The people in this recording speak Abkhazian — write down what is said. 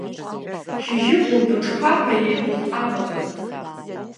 Шьыжьы, хәылбыҽха ҳәа еилых амамызт.